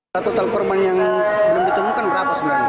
satu telpon korban yang belum ditemukan berapa sebenarnya